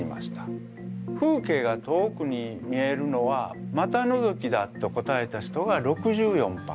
風景が遠くに見えるのは股のぞきだと答えた人が６４％。